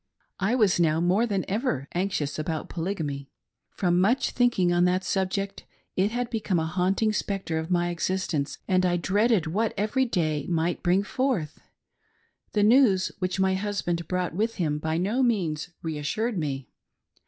I was now more than ever anxious about Polygamy. From much thinking on that subject, it had become the haunting spectre of my existence, and I dreaded what every day might bring forth. The news which my husband brought with him by no means reassured me.